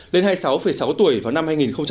lên hai mươi sáu sáu tuổi vào năm hai nghìn một mươi